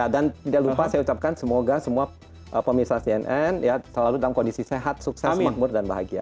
dan tidak lupa saya ucapkan semoga semua pemirsa cnn selalu dalam kondisi sehat sukses makmur dan bahagia